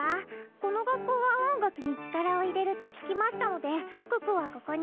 この学校は音楽に力を入れると聞きましたので可可はここに。